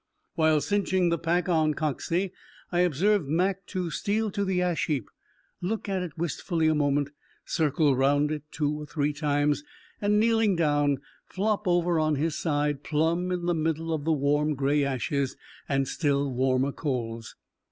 While cinching the pack on Coxey, I observed Mac to steal to the ash heap, look at it wistfully a moment, circle round it two or three times, and, kneeling down, flop over on his side, plumb in the middle of the warm, gray ashes, and still warmer coals.